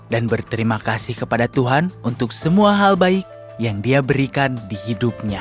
dan berterima kasih kepada tuhan untuk semua hal baik yang dia berikan di hidupnya